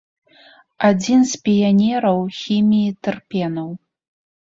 Адзін з піянераў хіміі тэрпенаў.